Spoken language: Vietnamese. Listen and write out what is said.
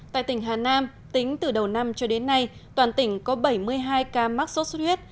tại tỉnh hà nam tính từ đầu năm cho đến nay toàn tỉnh có bảy mươi hai ca mắc sốt xuất huyết